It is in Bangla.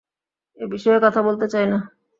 এ বিষয়ে কথা বলতে চাই না।